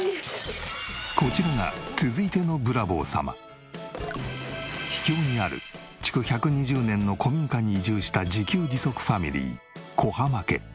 こちらが続いての秘境にある築１２０年の古民家に移住した自給自足ファミリー小濱家。